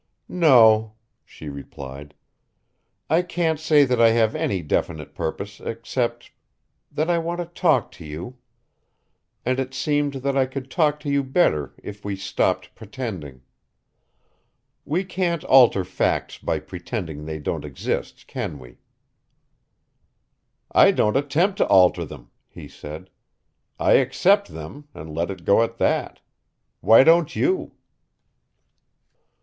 "No," she replied. "I can't say that I have any definite purpose except that I want to talk to you. And it seemed that I could talk to you better if we stopped pretending. We can't alter facts by pretending they don't exist, can we?" "I don't attempt to alter them," he said. "I accept them and let it go at that. Why don't you?"